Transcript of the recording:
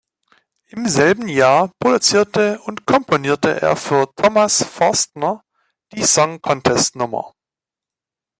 Im selben Jahr produzierte und komponierte er für Thomas Forstner die Song-Contest-Nummer.